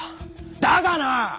だがな！